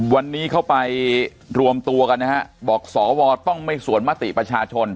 วันนี้เข้าไปรวมตัวกันนะฮะบอกสวต้องไม่สวนมติประชาชน